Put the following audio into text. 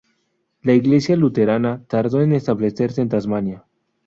La Iglesia Luterana tardó en establecerse en Tasmania.